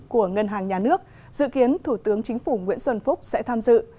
của ngân hàng nhà nước dự kiến thủ tướng chính phủ nguyễn xuân phúc sẽ tham dự